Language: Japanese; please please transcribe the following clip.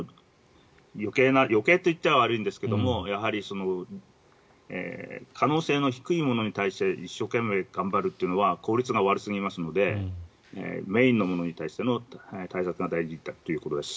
余計といっては悪いんですがやはり可能性の低いものに対して一生懸命頑張るというのは効率が悪すぎますのでメインのものに対しての対策が大事だということです。